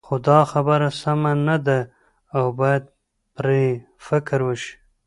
خو دا خبره سمه نه ده او باید پرې فکر وشي.